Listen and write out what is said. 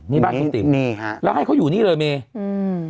นี่บ้านคุณติ๋มนี่ฮะแล้วให้เขาอยู่นี่เลยเมอืม